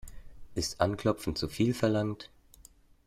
Ist Anklopfen zu viel verlangt?